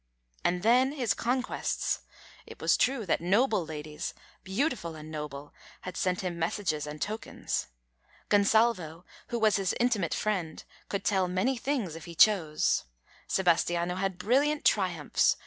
And then his conquests. It was true that noble ladies beautiful and noble had sent him messages and tokens. Gonsalvo, who was his intimate friend, could tell many things if he chose. Sebastiano had brilliant triumphs.